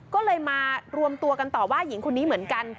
ก็เลยมารวมตัวกันต่อว่าหญิงคนนี้เหมือนกัน